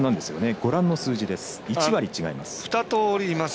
ご覧の数字、１割違います。